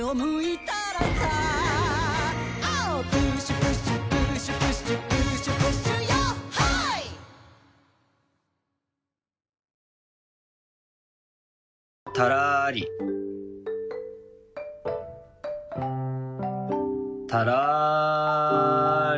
たらり。